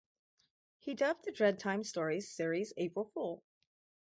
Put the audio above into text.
He dubbed the Dreadtime Stories series April Fool.